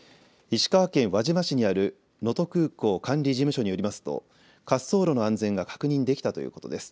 石川県輪島市にある能登空港管理事務所によりますと滑走路の安全が確認できたということです。